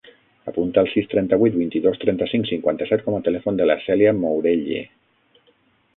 Apunta el sis, trenta-vuit, vint-i-dos, trenta-cinc, cinquanta-set com a telèfon de la Cèlia Mourelle.